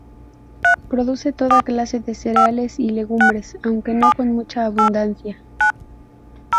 Produce toda clase de cereales y legumbres, aunque no con mucha abundancia.